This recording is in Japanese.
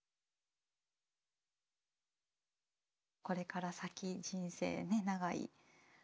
これから先人生ねっ長い。